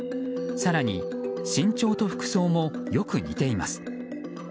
更に、身長と服装もよく似ています。